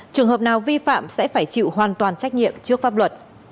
trường hợp nào vi phạm sẽ phải chịu hoàn toàn trách nhiệm trước pháp luật